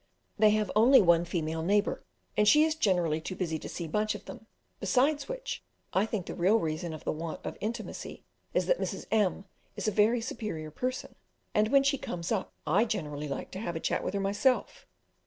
They have only one female neighbour, and she is generally too busy to see much of them; besides which, I think the real reason of the want of intimacy is that Mrs. M is a very superior person, and when she comes up I generally like to have a chat with her myself.